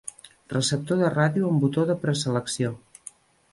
Receptor de ràdio amb botó de preselecció.